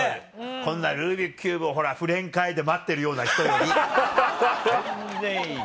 こんな「ルービックキューブを触れんかい！」で待ってるような人より全然いい。